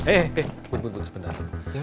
eh bud sebentar